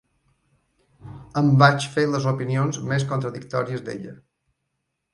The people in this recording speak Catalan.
Em vaig fer les opinions més contradictòries d'ella.